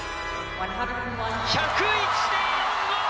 １０１．４５。